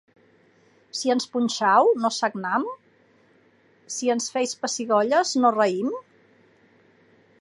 Si ens punxau, no sagnam? Si ens feis pessigolles, no reim?